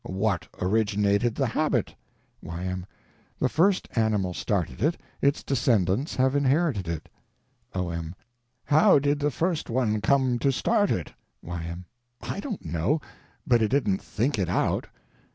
What originated the habit? Y.M. The first animal started it, its descendants have inherited it. O.M. How did the first one come to start it? Y.M. I don't know; but it didn't _think _it out.